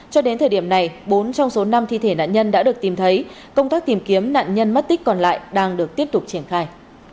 cho đến thời điểm này bốn trong số năm thi thể nạn nhân đã được tìm thấy công tác tìm kiếm nạn nhân mất tích còn lại đang được tiếp tục triển khai